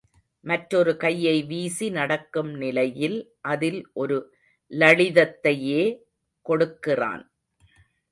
மற்றொரு கையை வீசி நடக்கும் நிலையில் அதில் ஒரு லளிதத்தையே கொடுக்கிறான்.